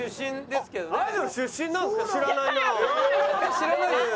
知らないですか？